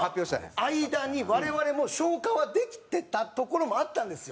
その間に我々も消化はできてたところもあったんですよ。